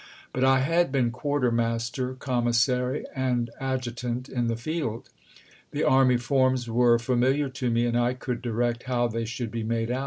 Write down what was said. But I had been quartermaster, commissary, and adjutant in the field. The army forms were familiar to me, and I could direct how they should be made out.